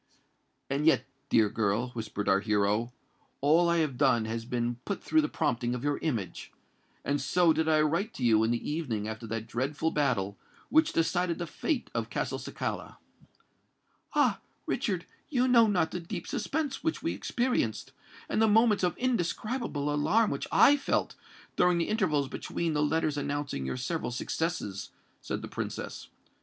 "And yet, dear girl," whispered our hero, "all I have done has been but through the prompting of your image; and so did I write to you in the evening after that dreadful battle which decided the fate of Castelcicala." "Ah! Richard, you know not the deep suspense which we experienced, and the moments of indescribable alarm which I felt, during the intervals between the letters announcing your several successes," said the Princess.